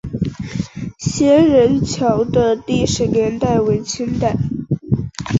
仙人桥的历史年代为清代。